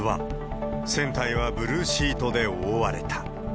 船体はブルーシートで覆われた。